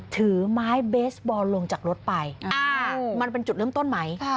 ถือไม้เบสบอลลงจากรถไปมันเป็นจุดเริ่มต้นไหม